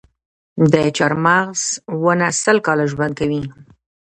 د چهارمغز ونه سل کاله ژوند کوي؟